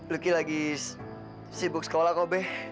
luki lagi sibuk sekolah kok be